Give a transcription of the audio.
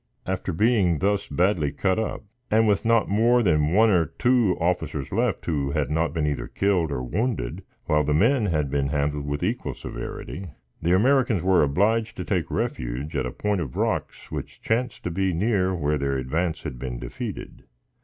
After being thus badly cut up, and with not more than one or two officers left who had not been either killed or wounded, while the men had been handled with equal severity, the Americans were obliged to take refuge at a point of rocks which chanced to be near where their advance had been defeated.